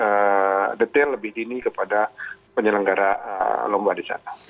lebih detail lebih dini kepada penyelenggara lomba di sana